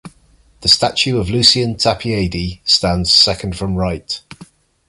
The statue of Lucian Tapiedi stands second from right.